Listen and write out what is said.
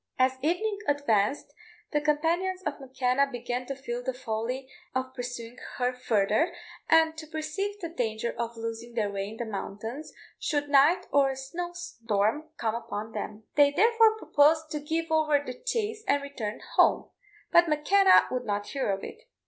As evening advanced, the companions of M'Kenna began to feel the folly of pursuing her farther, and to perceive the danger of losing their way in the mountains should night or a snow storm come upon them. They therefore proposed to give over the chase and return home; but M'Kenna would not hear of it.